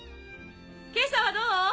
今朝はどう？